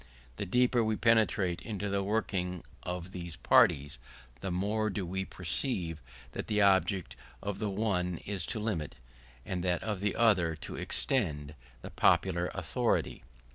The deeper we penetrate into the working of these parties, the more do we perceive that the object of the one is to limit, and that of the other to extend, the popular authority.